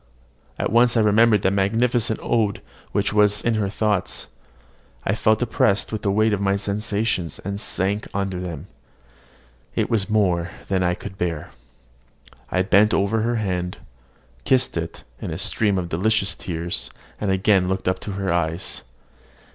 at once I remembered the magnificent ode which was in her thoughts: I felt oppressed with the weight of my sensations, and sank under them. It was more than I could bear. I bent over her hand, kissed it in a stream of delicious tears, and again looked up to her eyes.